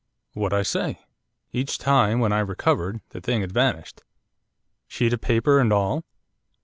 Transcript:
'What I say. Each time, when I recovered, the thing had vanished.' 'Sheet of paper and all?